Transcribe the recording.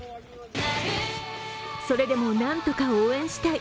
それでもなんとか応援したい。